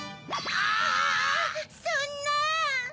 あそんな！